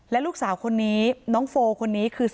ต่างฝั่งในบอสคนขีดบิ๊กไบท์